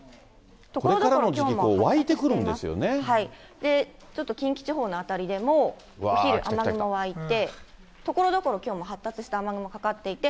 これからの時期、ちょっと近畿地方の辺りでも、お昼、雨雲湧いて、ところどころ、きょうも発達した雨雲かかっていて。